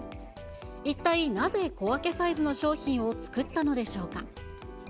一体なぜ小分けサイズの商品を作ったのでしょうか。